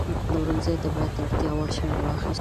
پلورنځي ته باید د اړتیا وړ شیان واخیستل شي.